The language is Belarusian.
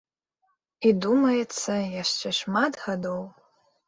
І, думаецца, яшчэ шмат гадоў.